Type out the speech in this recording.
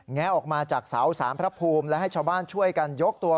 แงะออกมาจากเสาสารพระภูมิและให้ชาวบ้านช่วยกันยกตัว